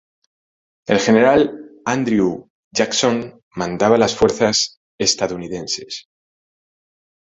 El general Andrew Jackson mandaba las fuerzas estadounidenses.